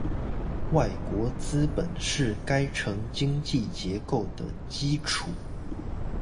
外國資本是該城經濟結構的基礎